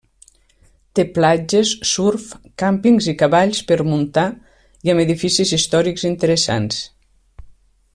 Té platges, surf, càmpings i cavalls per muntar i amb edificis històrics interessants.